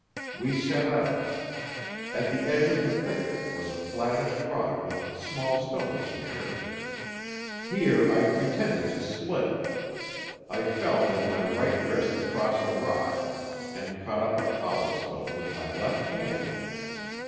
"We set out. At the edge of the thicket was a flattish rock with small stones near it. Here I pretended to slip. I fell with my right wrist across a rock, and caught up a cobblestone with my left hand.